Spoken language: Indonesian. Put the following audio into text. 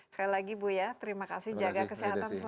sekali lagi buya terima kasih jaga kesehatan terima kasih